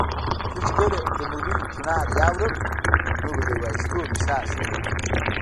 زه چي کله د مرغیو چوڼاری اورم، نو به د یوازیتوب احساس نه کوم